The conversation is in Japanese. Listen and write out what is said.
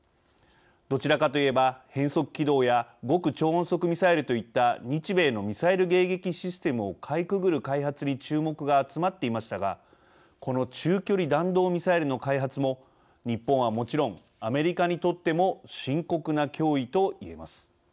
どちらかといえば変則軌道や極超音速ミサイルといった日米のミサイル迎撃システムをかいくぐる開発に注目が集まっていましたがこの中距離弾道ミサイルの開発も日本はもちろんアメリカにとっても深刻な脅威といえます。